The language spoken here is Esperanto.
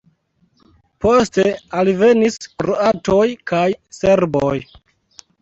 Poste alvenis kroatoj kaj serboj.